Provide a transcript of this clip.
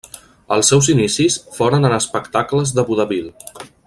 Els seus inicis foren en espectacles de vodevil.